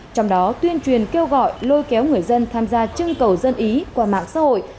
trong đó tuyên truyền kêu gọi lôi kéo người dân tham gia trưng cầu dân ý qua mạng xã hội